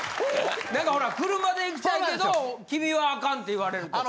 なんかほら車で来たいけど君はアカンて言われるとか。